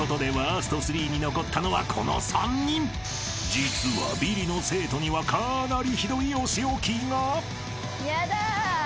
［実はビリの生徒にはかなりひどいお仕置きが］